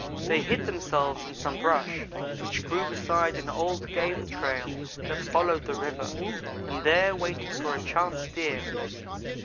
They hid themselves in some brush which grew beside an old game trail that followed the river, and there waited for a chance deer.